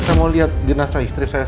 saya mau lihat jenazah istri saya